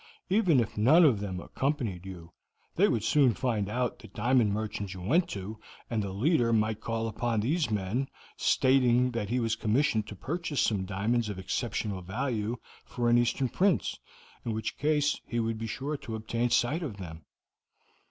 Even if none of them accompanied you, they would soon find out what diamond merchants you went to, and the leader might call upon these men, stating that he was commissioned to purchase some diamonds of exceptional value for an Eastern Prince, in which case he would be sure to obtain sight of them.